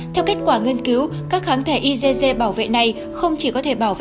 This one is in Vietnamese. theo kết quả nghiên cứu các kháng thể igc bảo vệ này không chỉ có thể bảo vệ